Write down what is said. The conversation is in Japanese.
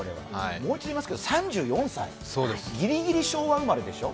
もう一度言いますが、３４歳ギリギリ昭和生まれでしょう？